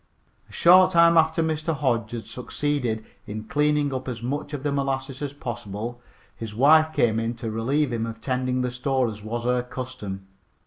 A short time after Mr. Hodge had succeeded in cleaning up as much of the molasses as possible his wife came in to relieve him of tending the store, as was her custom.